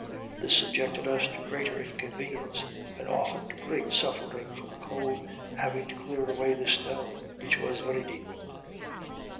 This subjected us to greater inconvenience, and often to great suffering from cold, having to clear away the snow, which was very deep.